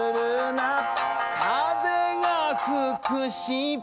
「風が吹くし」